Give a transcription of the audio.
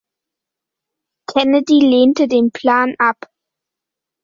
Kennedy lehnte den Plan ab.